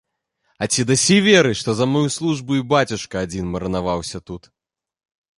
А ці дасі веры, што за маю службу і бацюшка адзін марынаваўся тут?